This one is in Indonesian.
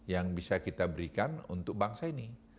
yang bisa kita berikan untuk bangsa ini